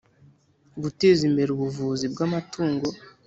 Guteza imbere ubuvuzi bw ‘amatungo